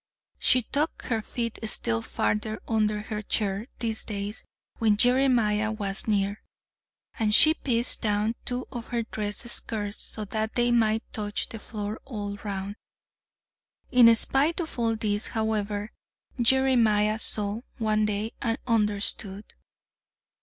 She tucked her feet still farther under her chair these days when Jeremiah was near, and she pieced down two of her dress skirts so that they might touch the floor all round. In spite of all this, however, Jeremiah saw, one day and understood.